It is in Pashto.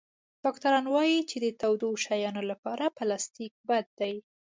ډاکټران وایي چې د تودو شیانو لپاره پلاستيک بد دی.